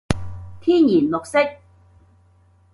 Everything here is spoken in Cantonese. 天然綠色